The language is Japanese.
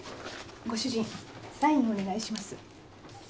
ご主人サインをお願いします。